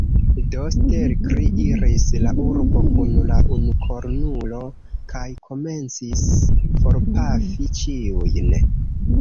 Do, Stelkri iris al la urbo kun la unukornulo, kaj komencis forpafi ĉiujn.